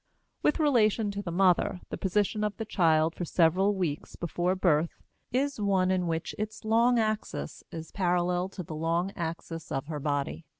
With relation to the mother the position of the child, for several weeks before birth, is one in which its long axis is parallel to the long axis of her body.